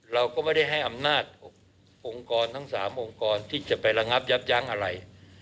เราก็ไม่ได้ให้อำนาจองค์กรทั้ง๓องค์กรที่จะไประงับยับยั้งอะไร